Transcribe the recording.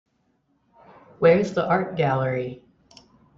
Where's the art gallery?